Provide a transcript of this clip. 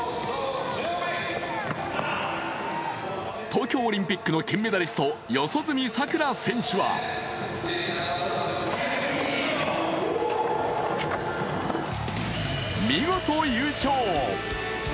東京オリンピックの金メダリスト・四十住さくら選手は、見事優勝。